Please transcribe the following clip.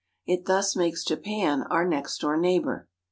It thus makes Japan our next door neighbor.